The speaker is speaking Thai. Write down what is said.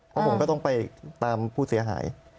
เพราะผมก็ต้องไปตามผู้เสียหาย